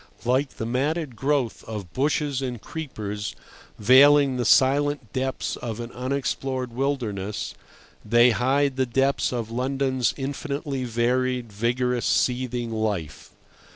Like the matted growth of bushes and creepers veiling the silent depths of an unexplored wilderness, they hide the depths of London's infinitely varied, vigorous, seething life.